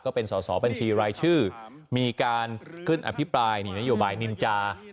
เป็นสอสอบัญชีรายชื่อมีการขึ้นอภิปรายนี่นโยบายนินจา